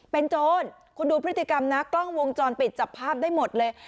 เป็นโจรคุณดูพฤติกรรมนะกล้องวงจรปิดจับภาพได้หมดเลย